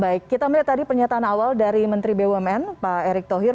baik kita melihat tadi pernyataan awal dari menteri bumn pak erick thohir